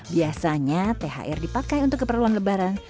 biasanya thr dipakai untuk keperluan lebaran